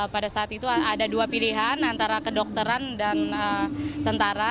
pada saat itu ada dua pilihan antara kedokteran dan tentara